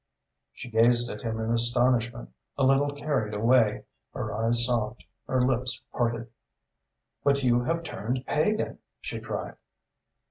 She gazed at him in astonishment, a little carried away, her eyes soft, her lips parted. "But you have turned pagan!" she cried.